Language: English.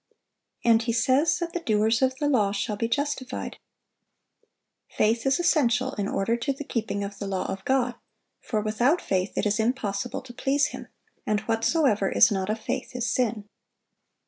And he says that "the doers of the law shall be justified."(722) Faith is essential in order to the keeping of the law of God; for "without faith it is impossible to please Him." And "whatsoever is not of faith is sin."